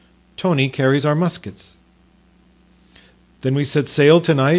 Tony carries our muskets." "Then we set sail to night?"